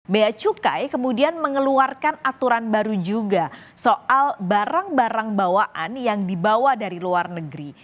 bea cukai kemudian mengeluarkan aturan baru juga soal barang barang bawaan yang dibawa dari luar negeri